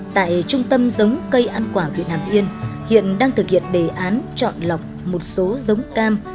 tại trung tâm giống cây ăn quả việt nam yên hiện đang thực hiện đề án chọn lọc một số giống cam